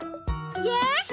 よし！